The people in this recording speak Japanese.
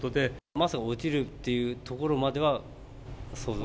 まさか落ちるというところまでは、想像は？